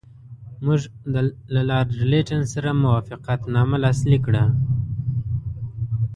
موږ له لارډ لیټن سره موافقتنامه لاسلیک کړه.